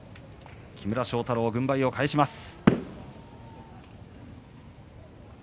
木村庄太郎、軍配を返します。